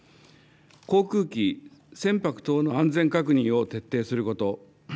航空機、船舶等の安全確認を徹底すること。